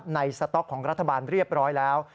สต๊อกของรัฐบาลเรียบร้อยแล้ว